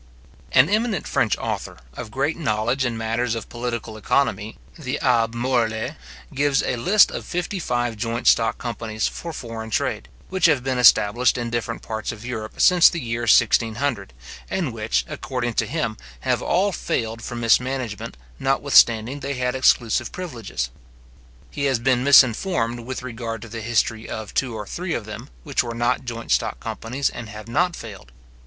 An eminent French author, of great knowledge in matters of political economy, the Abbe Morellet, gives a list of fifty five joint stock companies for foreign trade, which have been established in different parts of Europe since the year 1600, and which, according to him, have all failed from mismanagement, notwithstanding they had exclusive privileges. He has been misinformed with regard to the history of two or three of them, which were not joint stock companies and have not failed.